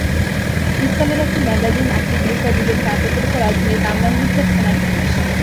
পিস্তলের একটি ম্যাগাজিন, আটটি গুলিসহ দুজনকে আটক করেছে রাজধানীর কামরাঙ্গীরচর থানার পুলিশ।